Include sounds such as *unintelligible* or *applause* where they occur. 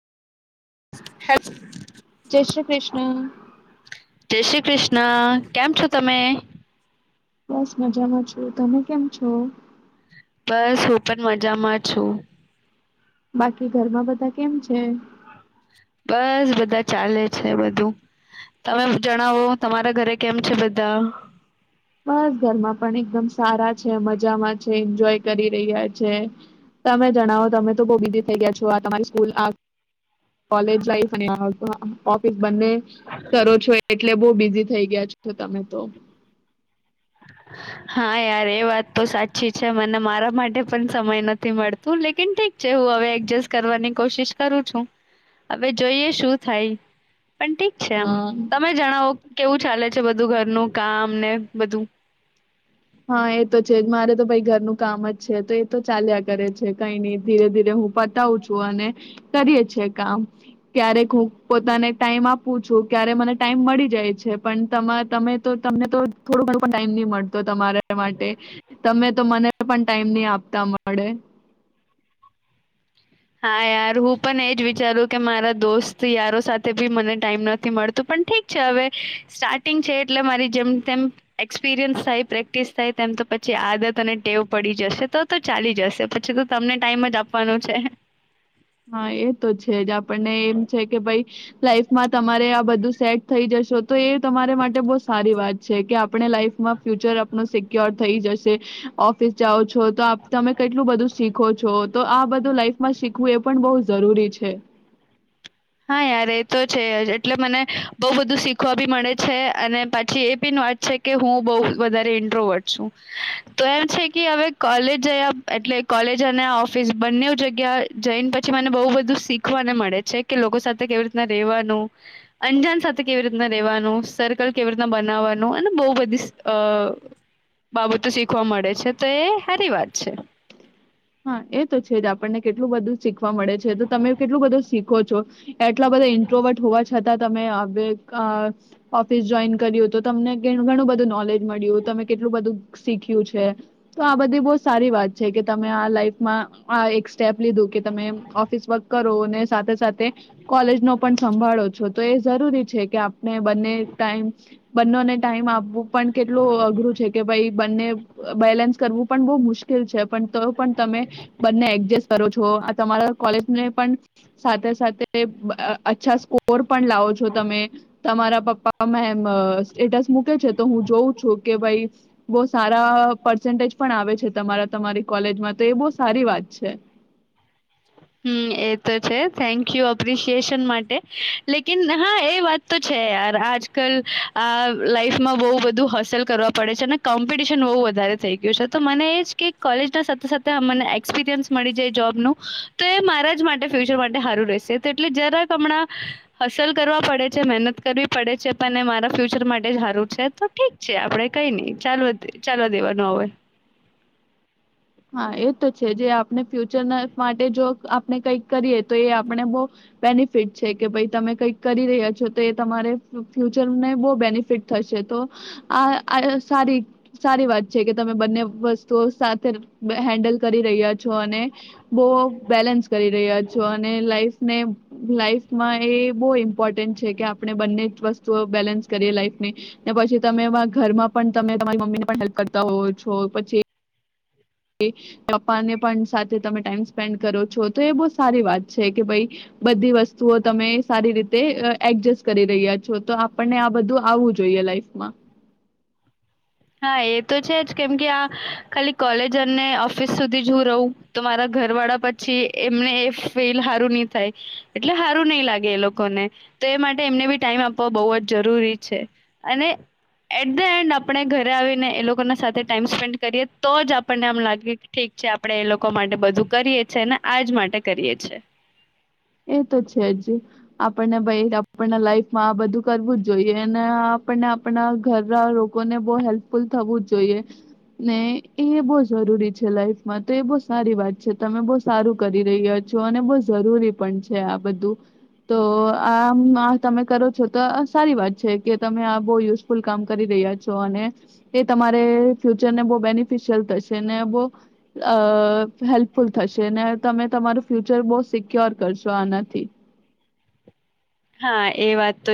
Hello જય શ્રી કૃષ્ણ. જય શ્રી કૃષ્ણ કેમ છો તમે? બસ મજામાં છું તમે કેમ છો? બસ હું પણ મજામાં છું. બાકી ઘરમાં બધા કેમ છે? બસ બધા ચાલે છે બધું, તમે જણાવો તમારા ઘરે કેમ છે બધા? બસ ઘરમાં પણ એકદમ સારા છે મજામાં છે એન્જોય કરી રહ્યા છે, તમે જણાવો તમે તો બોવ બીઝી થઈ ગયા છો આ તમારી સ્કૂલ આ કોલેજ લાઇફ અને ઓફિસ. બંને, કરો છો એટલે બો બિઝી થઈ ગયા. તમે તો. હા યાર એ વાત તો સાચી છે મને મારા માટે પણ સમય નથી મળતું લેકીન ઠીક છે હું હવે એડજસ્ટ કરવાની કોશિશ કરું છું, હવે જોઈએ શું થાય. પણ ઠીક છે આમ, હા તમે જણાવો કેવું ચાલે? બધું ઘરનું કામ ને બધું. હા એ તો છે મારે તો ભાઈ ઘરનું કામ જ છે તો એ તો ચાલ્યા કરે છે કઈ નહી ધીરે ધીરે હું પતાવું છું અને, કરીએ છે કામ, ક્યારેક હું પોતાને ટાઈમ આપું છું ક્યારે મને ટાઈમ મળી જાય છે પણ તમાર તમે તો તમને તો થોડુ ઘણું પણ ટાઈમ નહી મળતો. તમારા માટે, તમે તો મને પણ ટાઈમ નહીં આપતા મળે. હા યાર હું પણ એજ વિચારું કે મારા દોસ્ત યારો સાથે બી મને ટાઈમ નથી મળતું પણ ઠીક છે હવે, સ્ટાર્ટિંગ છે એટલે મારી જેમ તેમ એક્સપિરિયન્સ થાય પ્રેક્ટિસ થાય તેમ તો પછી આદત અને ટેવ પડી જશે તો તો ચાલી જશે પછી તો તમને ટાઈમ જ આપવાનું છે. હા એ તો છે જ આપણને એમ છે કે ભાઈ, લાઈફમાં તમારે આ બધું સેટ થઈ જશો તો એ તમારે માટે બો સારી વાત છે કે આપણે લાઈઇફમાં ફ્યુચર આપણું સિક્યોર થઈ જશે. ઓફિસ જાઓ છો. તો તમે કેટલું બધું શીખો છો તો આ બધું લાઈફ માં શીખવું એ પણ બહુ જરૂરી છે. હા યાર એ તો છે જ એટલે મને બોવ બધું શીખવા બી મળે છે અને પાછી એ પિન વાત છે કે હું બઉ વધારે ઇન્ટ્રોવટ છું તો એમ છે કે હવે કોલેજ જયા એટલે કોલેજ અને ઓફિસ બંને જગ્યા જઈને પછી મને બોવ બધું શીખવાને મળે છે. કે લોકો સાથે કેવી રીતના રેવાનું અંજાન સાથે કેવી રીતના રેવાનું સર્કલ કેવી રીતના બનાવવાનું અને બો બધી અ બાબતો શીખવા મળે છે. તો એ હારી વાત છે. હા એ તો છે જ આપણને કે કેટલું બધું શીખ વા મળે છે તો તમે કેટલું બધું શીખ ખો છો. એટલા બધા ઇન્ટ્રોવર્ટ હોવા છ છતાં તમે હ *unintelligible* ઓફિસ જોઈન કર્યું તો તમને અંગેનું ઘણું બધું નોલેજ મળ્યું તમે કેટલું બધું શીખ્યું છે. તો આ બધી બો સારી વાત છે કે ત મેં આ લાઈફ માં આ એક સ્ટેપ લીધું કે તમે ઓફિસ વર્ક કરો ને સાથેસાથે તે કોલેજ નો પણ સંભાળો છો તો એ જરૂરી છે કે આપણે બંને ટાઈમ બંનેને ટાઈમ આપવું પણ કેટલું અઘરું છે કે ભઈ બંને બેલેન્સ કરવું પણ બહુ મુશ્કેલ છે પણ તો પણ તમે બંને એડજસ્ટ કરો છો તમારા કોલેજને પણ સાથે સાથે અચ્છા સ્કોર પણ લાવો છો તમે તમારા પપ્પા મેમ અ સ્ટેટ્સ મૂકે છે તો હું જોઉં છું કે ભાઈ બહ સારા પર્સન્ટેજ પણ આવે છે તમારા તમારી કોલેજમાં તો એ બોહ સારી વાત છે હમ્મ એ તો છે થેન્ક યુ એપ્રિશિએશન માટે લેકિન હા એ વાત તો છે યાર આજકાલ આ લાઈફમાં બહુ બધું હસલ કરવા પડે છે અને કોમ્પિટિશન બહુ વધારે થઈ ગયું છે તો મને એ જ કે કોલેજ સાથે સાથેને એક્સપિરિયન્સ મળી જાય જોબનું તો એ મારા જ માટે ફ્યુચર માટે હારું રહેશે તો એટલે જરાક હમણાં હસલ કરવા પડે છે મહેનત કરવી પડે છે પણ મારા ફ્યુચર માટે જ હારું છે તો ઠીક છે આપણે કઈ નહી ચાલ ચાલવા દેવાનું હોવે હા એ તો છે જે આપણે ફ્યુચર માટે જો આપણે કંઈક કરીએ તો એ આપણે બો બેનિફિટ છે કે ભઈ તમે કંઈક કરી રહ્યા છો તો એ તમારે ફ્યુચરને બહુ બેનિફિટ થશે તો આ સારી સારી વાત છે કે તમે બંને વસ્તુઓ સાથે હેન્ડલ કરી રહ્યા છો અને બહુ બેલેન્સ કરી રહ્યા છો અને લાઈફને લાઈફમાં એ બહુ ઇમ્પોર્ટન્ટ છે કે આપણે બંને વસ્તુઓ બેલેન્સ કરીએ લાઈફ ની ને પછી તમે ઘરમાં પણ તમે તમારી મમ્મીને પણ હેલ્પ કરતા હોવ છો પછી ચપ્પાને પણ સાથે તમે ટાઈમ સ્પેન્ડ કરો છો તો એ બહ સારી વાત છે કે ભાઈ બધી વસ્તુઓ તમે સારી રીતે એડજસ્ટ કરી રહ્યા છો તો આપણને આ બધું આવવું જોઈએ લાઈફમાં હા એ તો છે જ કેમ કે આ ખાલી કોલેજ અને ઓફિસ સુધી જો રહું તો મારા ઘર વાળા પછી એમને એ ફીલ હારું ની થાય એટલે હારું ની લાગે એ લોકોને તો એ માટે એમને બી ટાઈમ આપવા બોહ જ જરૂરી છે અને એટ ધ એન્ડ આપણે ઘ ઘ આવીને એ લોકોના સાથે ટાઈમ સ્પેન્ડ કરીએ તો જ આપણને આમ લાગે ઠીક છે આપણેે એ લોકો માટે બધું કરીએ છી અને આજ માટે કરીએ છે. એ તો છે જ આપણને ભઈ આપના લાઈફમાં આ બધું કરવું જ જોઈએ અને આપણને આપણા ઘરના લોકોને બોહ હેલ્પફુલ થવું જ જોઈએ ને એ બોહ જરૂરી છે લાઈફમાં તો એ બોહ સારી વાત છે તમે બહુ સારું કરી રહ્યા છો અને બોહ જરૂરી પણ છે આ બધું તો આમ તમે કરો છો તો સારી વાત છે કે તમે આ બો યુઝફુલ કામ કરી રહ્યા છો અને એ તમારે ફ્યુચરને બો બેનિફિશિયલ થશે ને બો હેલ્પફુલ થશે ને તમે તમારું ફ્યુચર બો સિક્યોર કરશો આના થી હા એ વાત તો